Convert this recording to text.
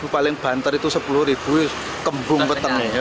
lima ribu paling banter itu sepuluh kembung ke tengi